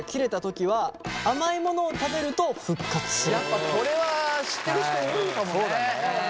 やっぱこれは知ってる人多いかもね。